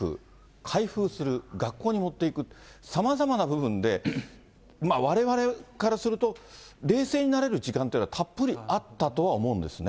開封する、学校に持っていく、さまざまな部分で、われわれからすると、冷静になれる時間というのはたっぷりあったとは思うんですね。